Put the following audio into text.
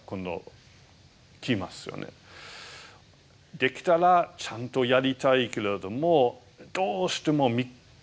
できたらちゃんとやりたいけれどもどうしても３日目が限界ですね。